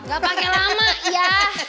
gak pake lama ya